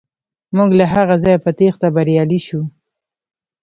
موږ له هغه ځایه په تیښته بریالي شو.